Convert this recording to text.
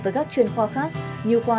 với các chuyên khoa khác như khoa